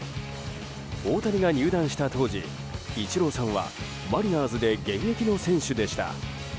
大谷が入団した当時イチローさんはマリナーズで現役の選手でした。